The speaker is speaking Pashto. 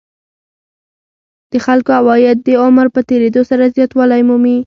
د خلکو عواید د عمر په تېرېدو سره زیاتوالی مومي